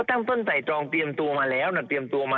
ตั้งต้นไตรจองเตรียมตัวมาแล้วนะ